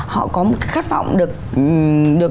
họ có một cái khát vọng được